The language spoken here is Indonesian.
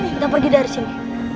kita pergi dari sini